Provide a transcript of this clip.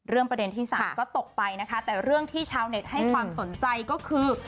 ประเด็นที่สามก็ตกไปนะคะแต่เรื่องที่ชาวเน็ตให้ความสนใจก็คือ